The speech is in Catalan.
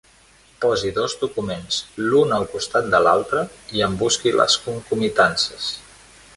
Posi dos documents l'un al costat de l'altre i en busqui les concomitàncies.